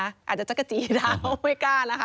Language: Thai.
อาจจะจักรจีได้ไม่กล้านะคะ